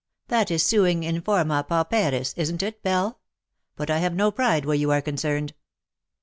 That is sueing in formd pauperis, isn't it, Belle? But I have no pride where you are concerned.""